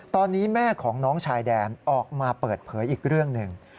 ตอนนี้แม่ของน้องชายแดนออกมาเปิดเผยอีกเรื่องหนึ่ง